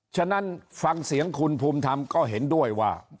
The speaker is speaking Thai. ฉะนั้นฟังเสียงคุณภูมิธรรมก็เห็นด้วยว่า